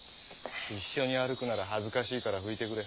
一緒に歩くなら恥ずかしいから拭いてくれ。